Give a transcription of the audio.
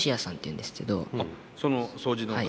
その掃除の方？